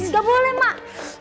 nggak boleh mak